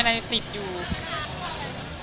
น้องขอด้วยนะ